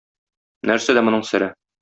Нәрсәдә моның сере?